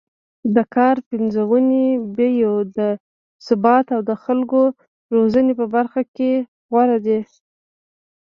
د کار پنځونې، بیو د ثبات او خلکو روزنې په برخه کې غوره دی